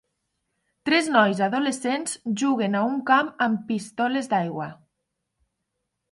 Tres nois adolescents juguen a un camp amb pistoles d'aigua.